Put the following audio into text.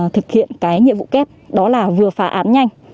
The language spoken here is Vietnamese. thực hiện cái nhiệm vụ kép đó là vừa phá án nhanh